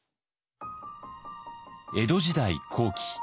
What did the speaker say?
江戸時代後期。